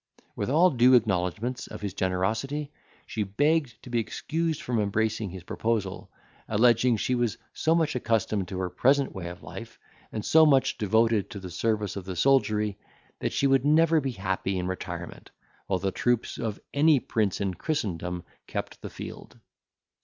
With all due acknowledgments of his generosity, she begged to be excused from embracing his proposal, alleging she was so much accustomed to her present way of life, and so much devoted to the service of the soldiery, that she should never be happy in retirement, while the troops of any prince in Christendom kept the field.